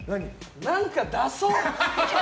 何か出そう！